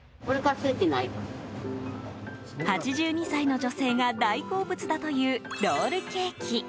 ８２歳の女性が大好物だというロールケーキ。